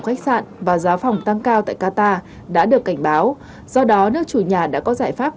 khách sạn và giá phòng tăng cao tại qatar đã được cảnh báo do đó nước chủ nhà đã có giải pháp